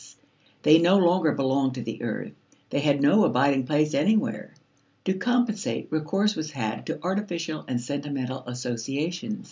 They no longer belonged to the earth; they had no abiding place anywhere. To compensate, recourse was had to artificial and sentimental associations.